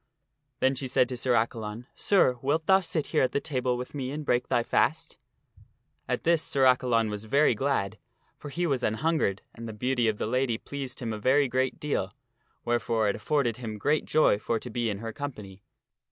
Then she said to Sir Accalon, " Sir, wilt thou sit here at the table with me and break thy fast ?" At this Sir Accalon was very glad, for he was anhungered, and the beauty of the lady pleased him a very great deal, wherefore it afforded him great joy for to be in her company.